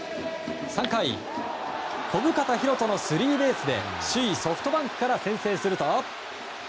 ３回、小深田大翔のスリーベースで首位ソフトバンクから先制すると。